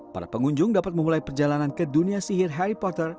para pengunjung dapat memulai perjalanan ke dunia sihir harry potter